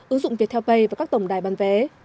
ứng dụng viettel pay và các tổng đài bán vé